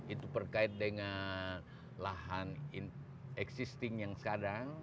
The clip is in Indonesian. itu perkait dengan lahan existing yang sedang